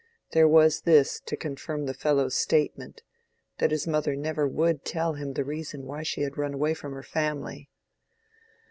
There was this to confirm the fellow's statement—that his mother never would tell him the reason why she had run away from her family.